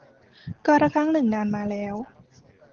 กาลครั้งหนึ่งนานมาแล้ว